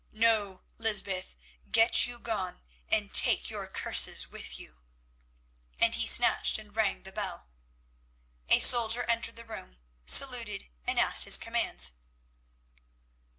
No, Lysbeth, get you gone, and take your curses with you," and he snatched and rang the bell. A soldier entered the room, saluted, and asked his commands.